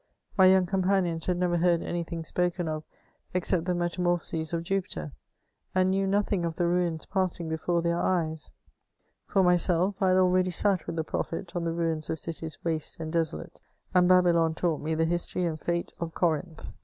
.. My young companions had never heard any thing ^oken of except the metamorphoses of Jupiter, and knew nothing of the ruins passing before their eyes ; for myself, I had already sat with the prophet on the ruins of cities waste and desolate, and Babylon taught me the history and fate of Corinth."